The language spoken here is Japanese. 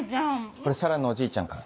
これ紗良のおじいちゃんから。